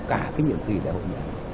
cả cái nhiệm kỳ đại hội nhà